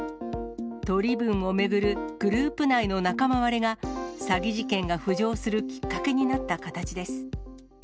取り分を巡るグループ内の仲間割れが、詐欺事件が浮上するきっかけになった形です。